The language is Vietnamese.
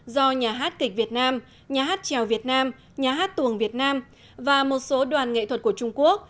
do nhà hát kịch việt nam nhà hát trèo việt nam nhà hát tuồng việt nam và một số đoàn nghệ thuật của trung quốc